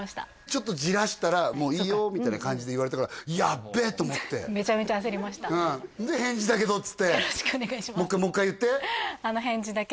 ちょっとじらしたらもういいよみたいな感じで言われたからめちゃめちゃ焦りましたで「返事だけど」っつって「よろしくお願いします」